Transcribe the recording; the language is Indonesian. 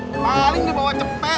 paling di bawah cepet